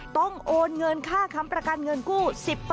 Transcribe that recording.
โอนเงินค่าค้ำประกันเงินกู้๑๐